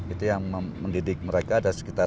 itu yang mendidik mereka ada sekitar